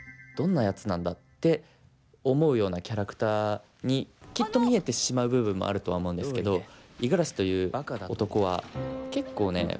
どんなやつなんだ」って思うようなキャラクターにきっと見えてしまう部分もあるとは思うんですけど五十嵐という男は結構ね